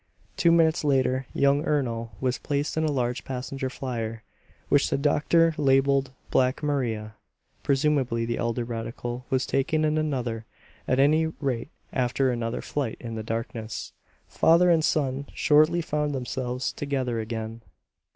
Two minutes later young Ernol was placed in a large passenger flier, which the doctor labeled "Black Maria." Presumably the elder radical was taken in another; at any rate after another flight in the darkness, father and son shortly found themselves together again.